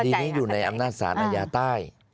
คดีนี้อยู่ในอำนาจศาลอาญาใต้